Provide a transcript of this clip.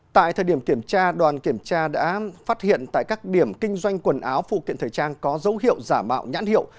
tại thời điểm kiểm tra đoàn kiểm tra đã phát hiện tại các điểm kinh doanh quần áo phụ kiện thời trang có dấu hiệu giả mạo nhãn hiệu